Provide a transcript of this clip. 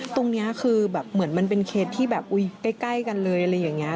ตรงนี้คือแบบเหมือนมันเป็นเคสที่แบบอุ๊ยใกล้กันเลยอะไรอย่างนี้